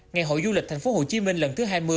ngày hội du lịch tp hcm lần thứ hai mươi